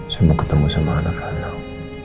saya mau ketemu sama anak anak